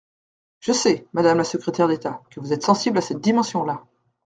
Je sais, madame la secrétaire d’État, que vous êtes sensible à cette dimension-là.